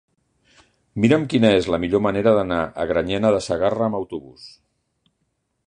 Mira'm quina és la millor manera d'anar a Granyena de Segarra amb autobús.